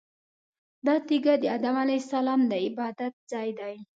دا تیږه د ادم علیه السلام د عبادت ځای دی.